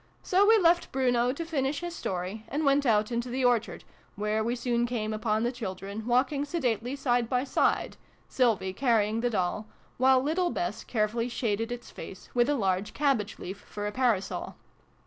So we left Bruno to finish his story, and went out into the orchard, where we soon came upon the children, walking sedately side by side, Sylvie carrying the doll, while little Bess carefully shaded, its face, with a large cabbage leaf for a parasol.